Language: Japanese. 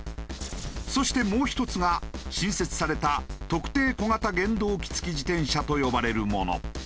そしてもう１つが新設された特定小型原動機付自転車と呼ばれるもの。